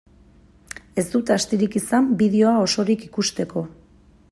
Ez dut astirik izan bideoa osorik ikusteko.